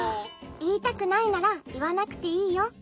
「いいたくないならいわなくていいよ。